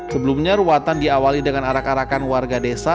sebelumnya ruatan diawali dengan arak arakan warga desa